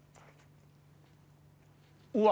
うわ！